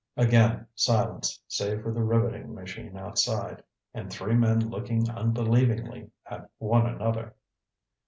Again silence, save for the riveting machine outside. And three men looking unbelievingly at one another.